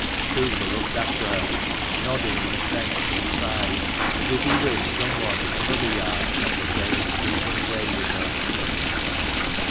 Cooper looked after her, nodded an assent, and sighed, as if he wished some one in another yard had the same soothing way with her.